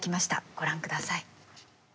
ご覧ください。